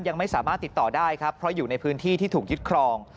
ยังไม่สามารถติดต่อได้ครับเพราะอยู่ในพื้นที่ที่ถูกยึดครอง